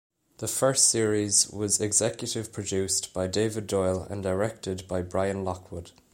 The first series was Executive Produced by David Doyle and Directed by Brian Lockwood.